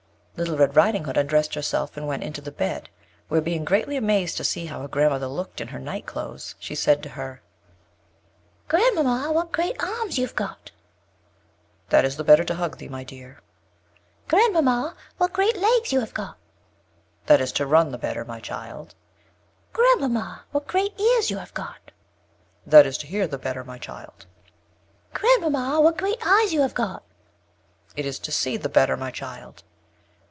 Little Red Riding Hood undressed herself, and went into bed; where, being greatly amazed to see how her grand mother looked in her night cloaths, she said to her: "Grand mamma, what great arms you have got!" "That is the better to hug thee, my dear." "Grand mamma, what great legs you have got!" "That is to run the better, my child." "Grand mamma, what great ears you have got!" "That is to hear the better, my child." "Grand mamma, what great eyes you have got!" "It is to see the better, my child."